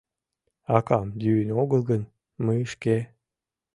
— Акам йӱын огыл гын, мый шке...